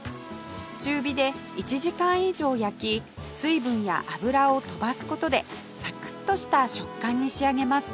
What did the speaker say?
中火で１時間以上焼き水分や油を飛ばす事でサクッとした食感に仕上げます